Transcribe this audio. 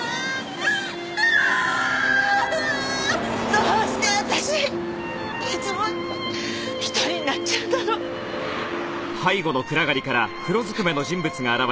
どうして私いつも１人になっちゃうんだろう。